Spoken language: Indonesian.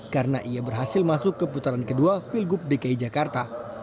karena ia berhasil masuk ke putaran kedua pilgub dki jakarta